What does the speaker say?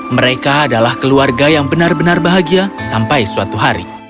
mereka adalah keluarga yang benar benar bahagia sampai suatu hari